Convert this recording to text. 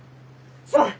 すまん！